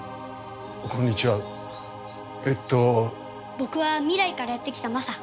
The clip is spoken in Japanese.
僕は未来からやって来たＭＡＳＡ。